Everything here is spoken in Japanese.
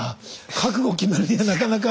覚悟決めるにはなかなか。